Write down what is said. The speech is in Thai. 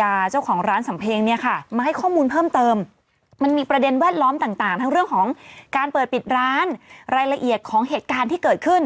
อ่าใช่แห้งหมดแล้วน้ำแห้งน้ำแห้งแบบไม่เหลือเลยอ่ะอืม